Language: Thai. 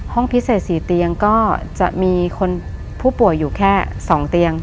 พิเศษ๔เตียงก็จะมีคนผู้ป่วยอยู่แค่๒เตียง